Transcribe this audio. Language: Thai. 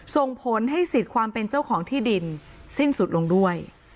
ส่งผลให้สิทธิ์ความเป็นเจ้าของที่ดินสิ้นสุดลงด้วย